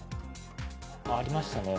ありましたね。